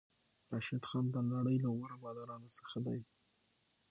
راشد خان د نړۍ له غوره بالرانو څخه دئ.